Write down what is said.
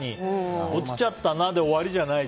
落ちちゃったなで終わりじゃない。